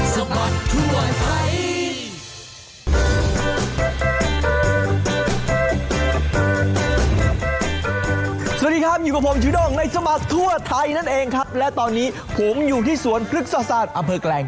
สวัสดีครับอยู่กับผมจูด้งในสมัครทั่วไทยนั่นเองครับและตอนนี้ผมอยู่ที่สวนพฤกษศาสตร์อำเภอแกลง